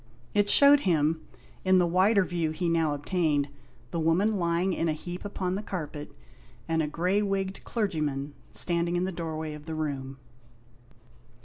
It showed him, in the wider view he now obtained, the woman lying in a heap upon the carpet, and a grey wigged clergyman standing in the doorway of the room.